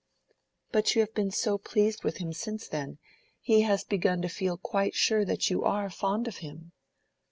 "But you have been so pleased with him since then; he has begun to feel quite sure that you are fond of him."